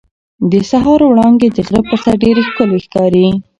د سهار وړانګې د غره پر سر ډېرې ښکلې ښکاري.